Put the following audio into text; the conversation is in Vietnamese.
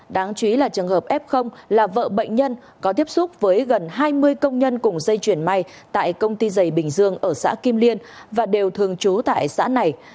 đáng chú ý là trường hợp f là vợ bệnh nhân có tiếp xúc với gần hai mươi công nhân cùng dây chuyển may tại công ty giày bình dương ở xã kim liên và đều thường trú tại xã này